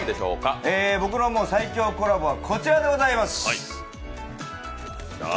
僕の最強コラボはこちらでございます。